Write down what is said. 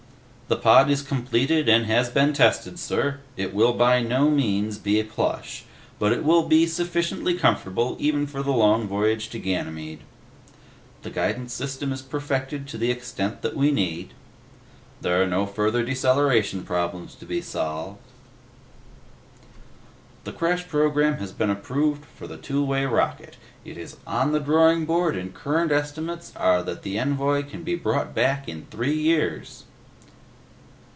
"The pod is completed and has been tested, sir. It will by no means be plush, but it will be sufficiently comfortable even for the long voyage to Ganymede." "The guidance system is perfected to the extent that we need." "There are no further deceleration problems to be solved." "The crash program has been approved for the two way rocket; it is on the drawing board and current estimates are that the envoy can be brought back in three years."